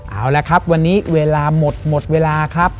เอาละครับวันนี้เวลาหมดหมดเวลาครับ